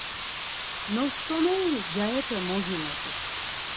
Nostoneri gyarepe mogimet̆it.